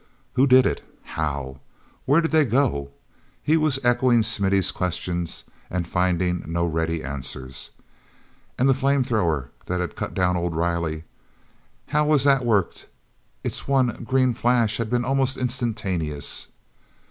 "Who did it? How? Where did they go?" He was echoing Smithy's questions and finding no ready answers. And that flame thrower that had cut down old Riley—how was that worked? Its one green flash had been almost instantaneous.